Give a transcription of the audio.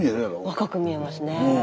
若く見えますねえ。